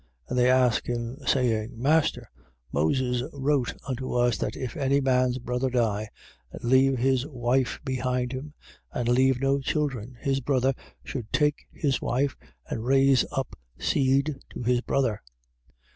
And they asked him, saying: 12:19. Master, Moses wrote unto us that if any man's brother die and leave his wife behind him and leave no children, his brother should take his wife and raise up seed to his brother.